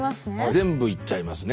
全部いっちゃいますね。